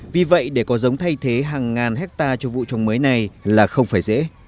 vì vậy để có giống thay thế hàng ngàn hectare cho vụ trồng mới này là không phải dễ